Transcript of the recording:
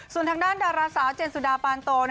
ส่วนทางด้านดาราสาวเจนสุดาปานโต